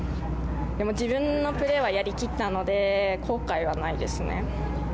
でも自分のプレーはやりきったので、後悔はないですね。